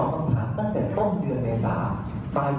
ทั้งความที่มันไม่มีอะไรเลย